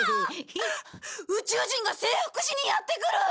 宇宙人が征服しにやって来る！